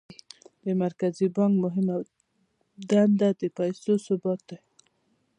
د مرکزي بانک مهمه دنده د پیسو ثبات دی.